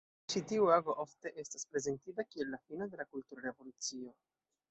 Ĉi tiu ago ofte estas prezentita kiel la fino de la Kultura Revolucio.